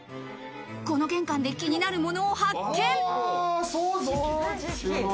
この玄関で気になるものを発見。